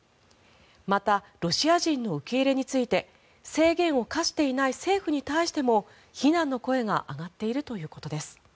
またロシア人の受け入れについて制限を課していない政府に対しても非難の声が上がっているということです。